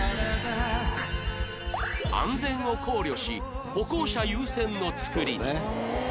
安全を考慮し歩行者優先の造りに